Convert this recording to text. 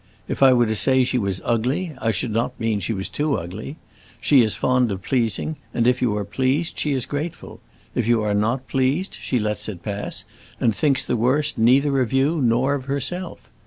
If I were to say she was ugly, I should not mean she was too ugly. She is fond of pleasing, and if you are pleased she is grateful. If you are not pleased, she lets it pass and thinks the worst neither of you nor of herself.